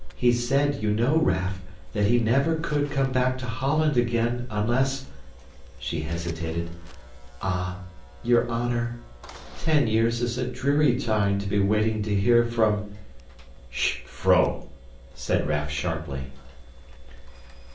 He said, you know, Raff, that he never could come back to Holland again, unless" she hesitated "ah, your honor, ten years is a dreary time to be waiting to hear from " "Hist, vrouw!" said Raff sharply.